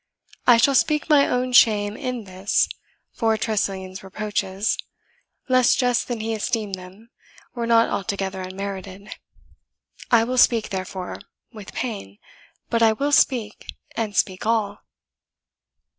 I shall speak my own shame in this, for Tressilian's reproaches, less just than he esteemed them, were not altogether unmerited. I will speak, therefore, with pain, but I will speak, and speak all."